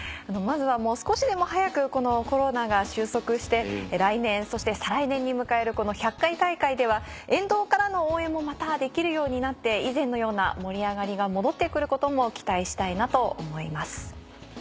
まずはもう少しでも早くこのコロナが収束して来年そして再来年に迎えるこの１００回大会では沿道からの応援もまたできるようになって以前のような盛り上がりが戻って来ることも期待したいなと思います。